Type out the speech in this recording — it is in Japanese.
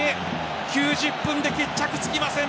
９０分で決着つきません。